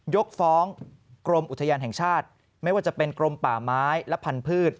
ยกฟ้องกรมอุทยานแห่งชาติไม่ว่าจะเป็นกรมป่าไม้และพันธุ์